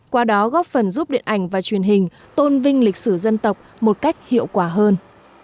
qua đó góp phần giúp điện ảnh và truyền hình tôn vinh lịch sử dân tộc một cách hiệu quả hơn